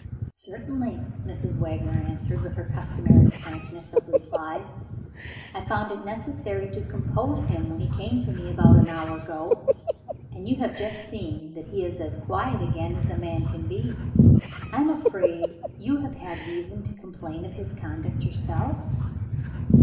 "Certainly!" Mrs. Wagner answered, with her customary frankness of reply; "I found it necessary to compose him, when he came to me about an hour ago and you have just seen that he is as quiet again as a man can be. I am afraid you have had reason to complain of his conduct yourself?"